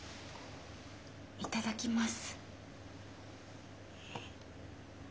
いただきます。